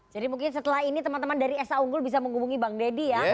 jadi mungkin setelah ini teman teman dari sa unggul bisa menghubungi bang deddy ya